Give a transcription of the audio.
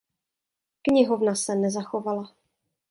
Knihovna se nezachovala.